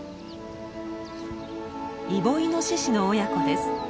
イボイノシシの親子です。